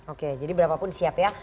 oke jadi berapapun siap ya